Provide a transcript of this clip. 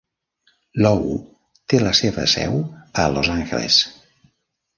Low té la seva seu a Los Angeles.